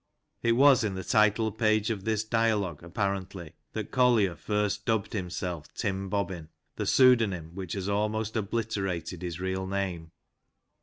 It was in the title page of this dialogue, apparently, that Collier first dubbed himself " Tim Bobbin," the pseudonym which has almost obliterated his real name.